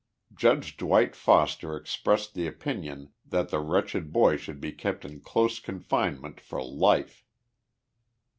Judge Dwight Foster expressed the opinion that the wretch ed boy should be kept in close confinement for life.